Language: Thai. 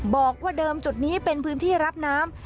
บอกว่าเดิมจุดนี้เป็นพื้นที่รับน้ำ